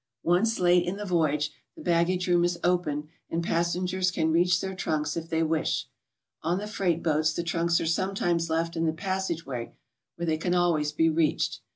Once late in the voyage the baggage room is opened and passengers can reach their trunks if they wish. On the freight boats the trunks are sometimes left in the passage way, where they can alwiays be reached.